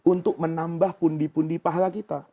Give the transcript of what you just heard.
untuk menambah pundi pundi pahala kita